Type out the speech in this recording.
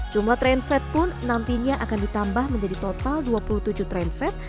jumlah trainset pun nantinya akan ditambah menjadi total dua puluh tujuh trainset